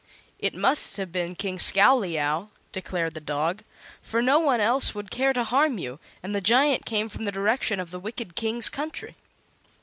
"It must have been King Scowleyow," declared the dog, "for no one else would care to harm you, and the giant came from the direction of the wicked King's country."